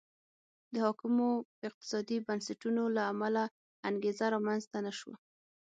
د حاکمو اقتصادي بنسټونو له امله انګېزه رامنځته نه شوه.